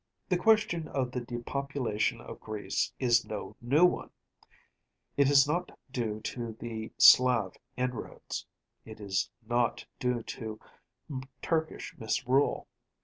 The question of the depopulation of Greece is no new one‚ÄĒit is not due to the Slav inroads‚ÄĒit is not due to Turkish misrule.